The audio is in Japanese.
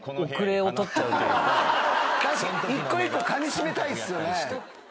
一個一個かみしめたいっすよね。